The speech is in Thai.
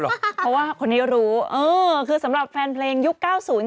เพราะว่าคนนี้รู้เออคือสำหรับแฟนเพลงยุค๙๐